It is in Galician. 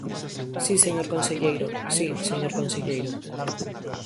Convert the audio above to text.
Si, señor conselleiro, si, señor conselleiro.